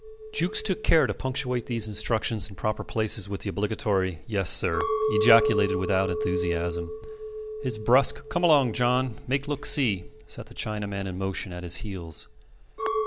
Jukes took care to punctuate these instructions in proper places with the obligatory "Yes, sir," ejaculated without enthusiasm. His brusque "Come along, John; make look see" set the Chinaman in motion at his heels.